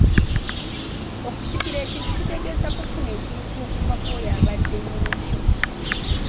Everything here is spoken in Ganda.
Okusikira ekintu kitegeeza kufuna ekintu okuva kwoyo abadde nnyinikyo